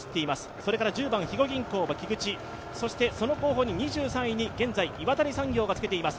それから肥後銀行の菊地その後方の２３位に現在、岩谷産業がつけています。